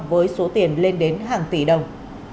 với số tiền lên đến hàng tỷ đồng